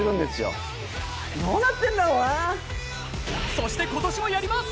そして今年もやります！